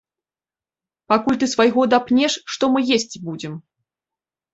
Пакуль ты свайго дапнеш, што мы есці будзем?